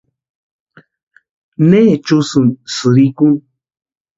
¿Necha úsïni sïrikuni?